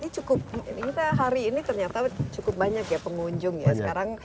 sekitar tiga puluh lima menit ini cukup hari ini ternyata cukup banyak ya pengunjung ya